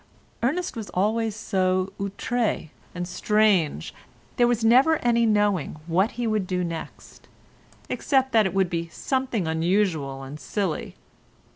Ernest was always so outré and strange; there was never any knowing what he would do next, except that it would be something unusual and silly.